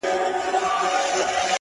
o يو خوا يې توره سي تياره ښكاريږي،